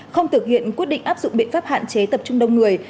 không thực hiện quyết định áp dụng biện pháp hạn chế tập trung đông người